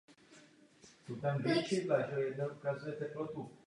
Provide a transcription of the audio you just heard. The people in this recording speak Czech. Má otázka míří podobným směrem jako otázka předchozího pana poslance.